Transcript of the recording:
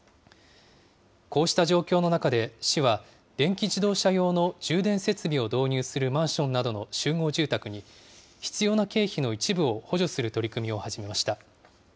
こうした状況の中で市は、電気自動車用の充電設備を導入するマンションなどの集合住宅に、必要な経費の一部を補助する取り組みを始めました。